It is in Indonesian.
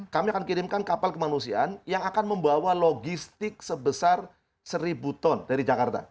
kami akan kirimkan kapal kemanusiaan yang akan membawa logistik sebesar seribu ton dari jakarta